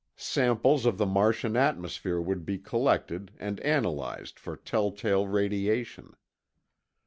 Samples of the Martian atmosphere would be collected and analyzed for telltale radiation.